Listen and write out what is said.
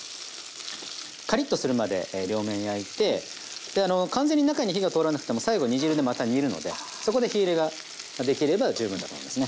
カリッとするまで両面焼いてであの完全に火が通らなくても最後煮汁でまた煮るのでそこで火入れができれば十分だと思いますね。